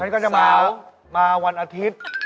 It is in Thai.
ฉันก็จะมามาวันอาทิตย์